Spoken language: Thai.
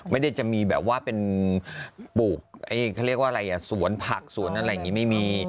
ไม่ได้จะมีแบบว่าเป็นปลูกเขาเรียกว่าอะไรอ่ะสวนผักสวนอะไรอย่างนี้ไม่มี